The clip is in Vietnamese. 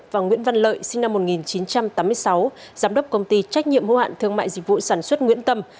và nguyễn văn lợi sinh năm một nghìn chín trăm tám mươi sáu giám đốc công ty trách nhiệm hữu hạn thương mại dịch vụ sản xuất nguyễn tâm